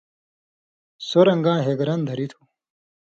سو رن٘گاں ہیگرن دھریۡ تُھو۔“